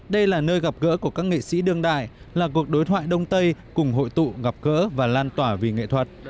đây là nơi gặp gỡ của các nghệ sĩ đương đại là cuộc đối thoại đông tây cùng hội tụ gặp gỡ và lan tỏa vì nghệ thuật